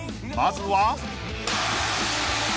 ［まずは］